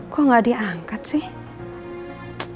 kok gak diangkat sih